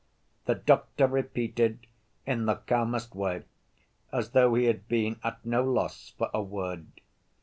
The doctor repeated in the calmest way as though he had been at no loss for a word.